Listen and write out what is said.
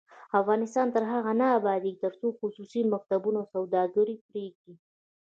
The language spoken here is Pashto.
افغانستان تر هغو نه ابادیږي، ترڅو خصوصي مکتبونه سوداګري پریږدي.